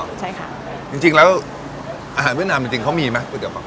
ปากหม้อใช่ค่ะจริงจริงแล้วอาหารเวลนามจริงเขามีไหมก๋วยแจบปากหม้อ